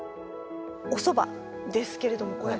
おそばですけれどもこれは？